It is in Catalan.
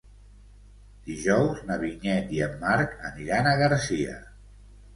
Dijous na Vinyet i en Marc aniran a Garcia.